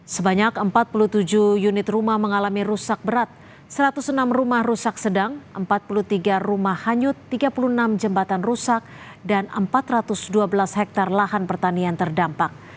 sebanyak empat puluh tujuh unit rumah mengalami rusak berat satu ratus enam rumah rusak sedang empat puluh tiga rumah hanyut tiga puluh enam jembatan rusak dan empat ratus dua belas hektare lahan pertanian terdampak